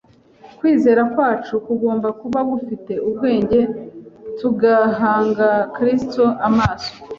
Kwizera kwacu kugomba kuba gufite ubwenge tugahanga Kristo amaso